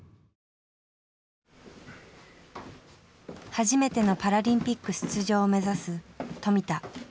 初めてのパラリンピック出場を目指す富田。